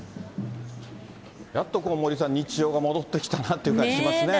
やっと、森さん、日常が戻ってきたなって感じしますね。